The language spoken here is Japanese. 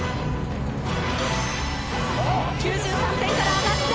９３点から上がって。